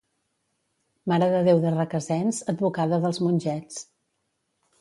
Mare de Déu de Requesens, advocada dels mongets.